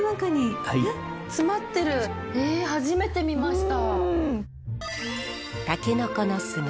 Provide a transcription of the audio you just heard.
初めて見ました。